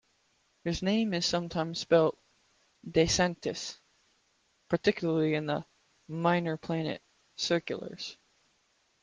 His name is sometimes spelt DeSanctis, particularly in the Minor Planet Circulars.